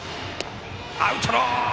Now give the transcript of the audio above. アウトロー！